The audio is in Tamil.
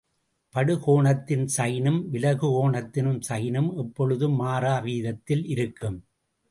படுகோணத்தின் சைனும் விலகுகோணத்தின் சைனும் எப்பொழுதும் மாறா வீதத்தில் இருக்கும்.